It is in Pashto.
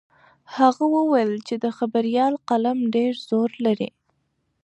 هغه وویل چې د خبریال قلم ډېر زور لري.